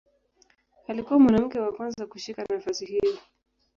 Alikuwa mwanamke wa kwanza kushika nafasi hiyo.